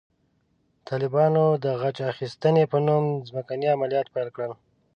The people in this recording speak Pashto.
طالبانو د غچ اخیستنې په نوم ځمکني عملیات پیل کړل.